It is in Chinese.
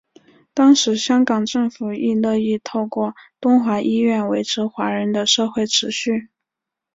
当时香港政府亦乐意透过东华医院维持华人的社会秩序。